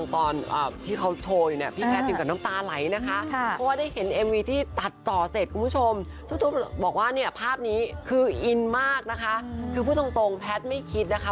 คืออินมากนะคะคือพูดตรงแพทย์ไม่คิดนะคะ